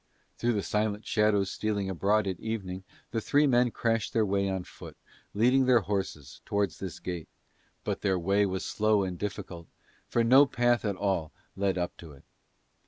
Through the silent shadows stealing abroad at evening the three men crashed their way on foot, leading their horses, towards this gate; but their way was slow and difficult for no path at all led up to it.